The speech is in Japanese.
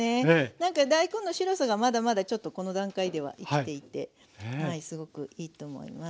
何か大根の白さがまだまだちょっとこの段階では生きていてすごくいいと思います。